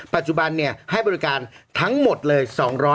ปัจจุบันให้บริการทั้งหมดเลย